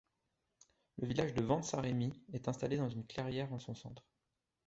Le village de Ventes-Saint-Rémy est installé dans une clairière en son centre.